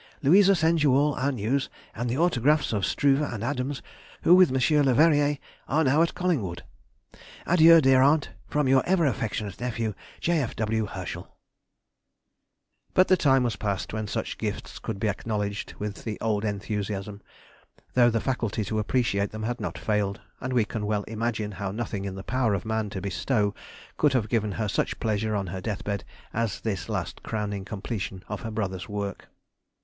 Louisa sends you all our news, and the autographs of Struve and Adams, who, with M. Leverrier, are now at Collingwood. Adieu, dear aunt, From your ever affectionate nephew, J. F. W. HERSCHEL. [Sidenote: 1847. Latter Days.] But the time was past when such gifts could be acknowledged with the old enthusiasm, though the faculty to appreciate them had not failed, and we can well imagine how nothing in the power of man to bestow could have given her such pleasure on her death bed as this last crowning completion of her brother's work.